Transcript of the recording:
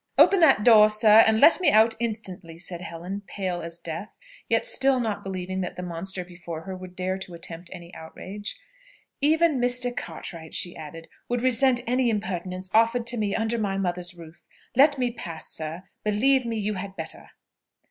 "Open that door, sir, and let me out instantly," said Helen, pale as death, yet still not believing that the monster before her would dare to attempt any outrage. "Even Mr. Cartwright," she added, "would resent any impertinence offered to me under my mother's roof. Let me pass, sir: believe me, you had better."